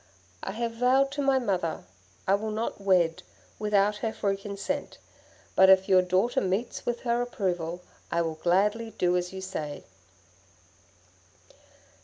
'I have vowed to my mother I will not wed without her free consent, but if your daughter meets with her approval, I will gladly do as you say.'